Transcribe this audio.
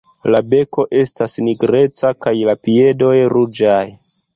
La beko estas nigreca kaj la piedoj ruĝaj.